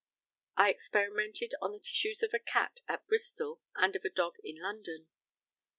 I experimented on the tissues of a cat at Bristol, and of a dog in London.